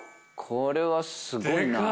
これはすごいな。